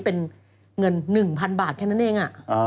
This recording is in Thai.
เป็นเงิน๑๐๐๐บาทแค่นั้นเอง